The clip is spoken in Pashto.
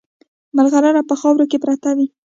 مرغلره په خاورو کې پرته وي.